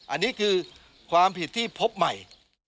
อันนี้คือความผิดที่พบใหม่